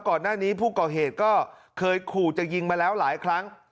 ก่อนหน้านี้ผู้ก่อเหตุก็เคยขู่จะยิงมาแล้วหลายครั้ง